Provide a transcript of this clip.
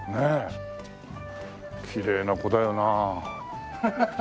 きれいな子だよな。